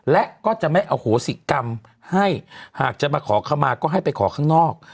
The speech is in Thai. และก็จะไม่อโหสิกรรมให้หากจะมาขอขมาก็ให้ไปขอข้างนอก